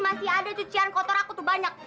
masih ada cucian kotor aku tuh banyak